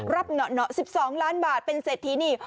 เหนาะ๑๒ล้านบาทเป็นเศรษฐีนี